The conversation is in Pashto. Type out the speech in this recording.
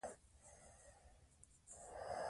نه نصیب دي وو له چا سره لیکلی